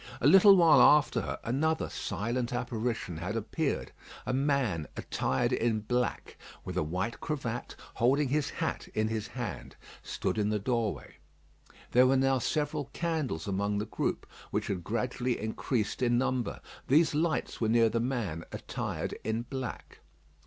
A little while after her another silent apparition had appeared. A man attired in black, with a white cravat, holding his hat in his hand, stood in the doorway. There were now several candles among the group, which had gradually increased in number. These lights were near the man attired in black.